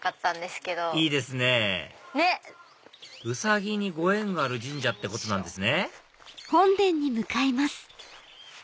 ウサギにご縁がある神社ってことなんですね